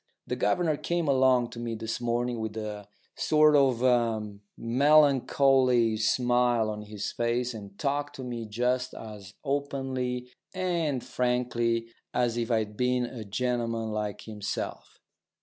The governor came along to me this morning with a sort of melancholy smile on his face, and talked to me just as openly and frankly as if I'd been a gentleman like himself.